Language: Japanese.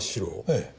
ええ。